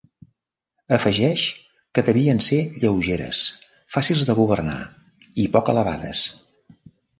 Afegeix que devien ser lleugeres, fàcils de governar i poc elevades.